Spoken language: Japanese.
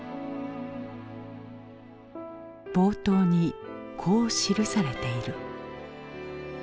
冒頭にこう記されている。